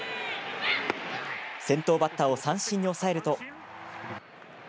先頭バッターを三振に抑えると。